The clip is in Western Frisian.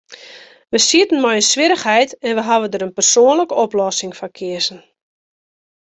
Wy sieten mei in swierrichheid, en wy hawwe dêr in persoanlike oplossing foar keazen.